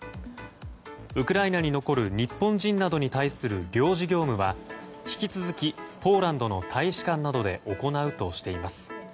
ウクライナに残る日本人などに対する領事業務は引き続きポーランドの大使館などで行うとしています。